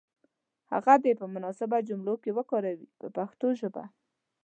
هغه دې په مناسبو جملو کې وکاروي په پښتو ژبه.